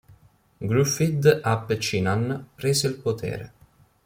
Gruffydd ap Cynan prese il potere.